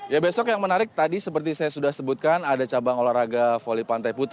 ya besok yang menarik tadi seperti saya sudah sebutkan ada cabang olahraga voli pantai putra